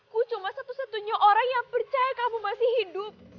aku cuma satu satunya orang yang percaya kamu masih hidup